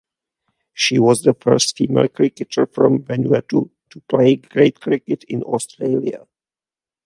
She was the first female cricketer from Vanuatu to play grade cricket in Australia.